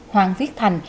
hoàng viết thành